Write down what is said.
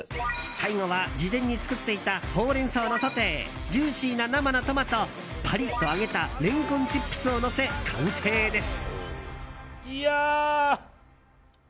最後は事前に作っていたホウレンソウのソテージューシーな生のトマトパリッと揚げたレンコンチップスをのせ完成です。